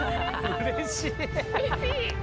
うれしい！